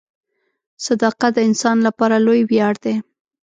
• صداقت د انسان لپاره لوی ویاړ دی.